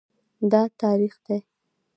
دا تریخ دی